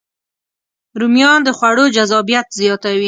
رومیان د خوړو جذابیت زیاتوي